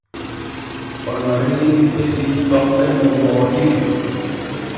Onoriini heɓii toɓɓe no wooɗiri.